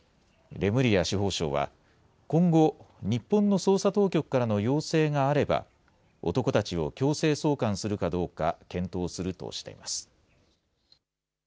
レムリア司法相は、今後、日本の捜査当局からの要請があれば、男たちを強制送還するかどうか検討するとしています。